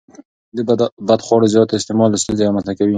د بدخواړو زیات استعمال ستونزې رامنځته کوي.